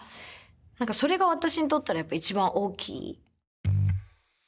それが私にとったらやっぱ一番大きい。